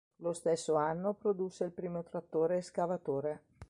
Lo stesso anno produsse il primo trattore escavatore.